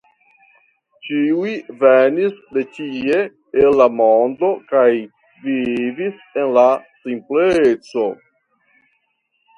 Ĉiuj venis de ĉie el la mondo kaj vivis en simpleco.